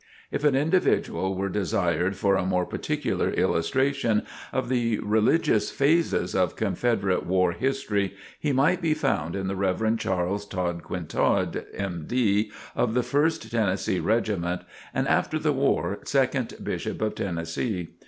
If an individual were desired for a more particular illustration of the religious phases of Confederate war history, he might be found in the Rev. Charles Todd Quintard, M. D., of the First Tennessee Regiment, and after the war, Second Bishop of Tennessee.